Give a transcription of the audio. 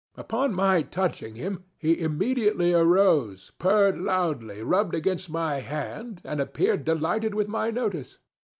Upon my touching him, he immediately arose, purred loudly, rubbed against my hand, and appeared delighted with my notice.